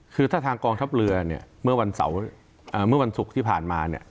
คือถ้าทางกองทัพเรือเนี่ยเมื่อวันศุกร์ที่ผ่านมาเนี่ย